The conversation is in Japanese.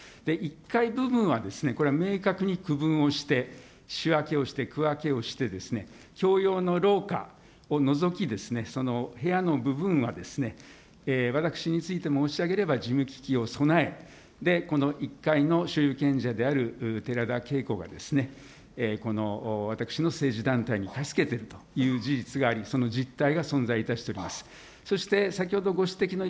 １階部分はこれは明確に区分をして、仕分けをして、区分けをして、共用の廊下を除きですね、その部屋の部分は私について申し上げれば、事務機器を備え、この１階の所有権者である寺田慶子がですね、私の政治団体に貸し付けているという事実があり、その実態が存在いたしております。